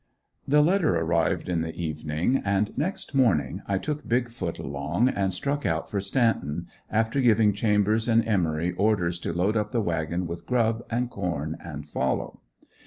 The letter arrived in the evening and next morning I took "Big foot" along and struck out for "Stanton" after giving Chambers and Emory orders to load up the wagon with grub and corn, and follow.